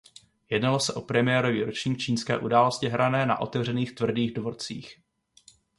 Jednalo se o premiérový ročník čínské události hrané na otevřených tvrdých dvorcích.